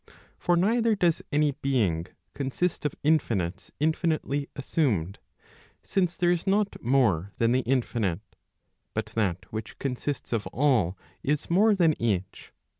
For neither does any being consist of infinites infinitely assumed; since there is not more than the infinite; but that which consists of all is more than each.